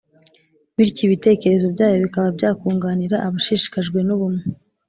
bityo ibitekerezo byayo bikaba byakunganira abashishikajwe n'ubumwe